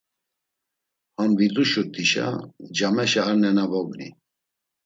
Ham viduşurt̆işa cameşa ar nena vogni.